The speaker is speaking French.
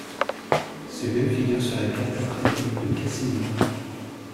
Ce lieu figure sur la carte imprimée de Cassini.